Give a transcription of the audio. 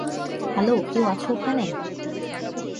Hello কেউ আছো ওখানে?